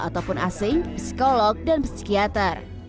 ataupun asing psikolog dan psikiater